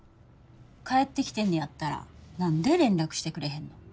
帰ってきてんねやったら何で連絡してくれへんの？